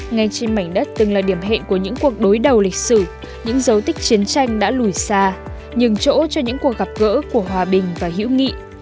ngay trên mảnh đất từng là điểm hẹn của những cuộc đối đầu lịch sử những dấu tích chiến tranh đã lùi xa nhường chỗ cho những cuộc gặp gỡ của hòa bình và hữu nghị